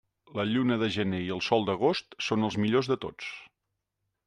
La lluna de gener i el sol d'agost són els millors de tots.